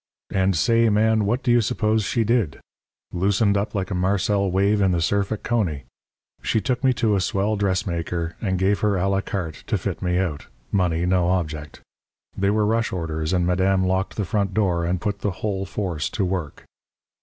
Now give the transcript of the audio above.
"And say, Man, what do you suppose she did? Loosened up like a Marcel wave in the surf at Coney. She took me to a swell dressmaker and gave her a la carte to fit me out money no object. They were rush orders, and madame locked the front door and put the whole force to work.